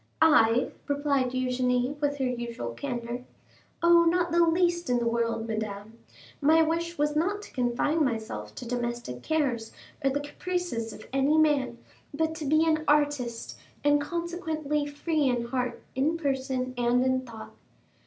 "I?" replied Eugénie with her usual candor. "Oh, not the least in the world, madame! My wish was not to confine myself to domestic cares, or the caprices of any man, but to be an artist, and consequently free in heart, in person, and in thought."